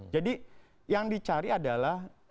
jadi yang dicari adalah